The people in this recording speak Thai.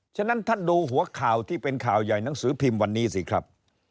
ฉะนั้นท่านดูหัวข่าวที่เป็นข่าวใหญ่หนังสือพิมพ์วันนี้สิครับ